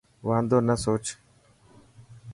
واندو نه سوچ.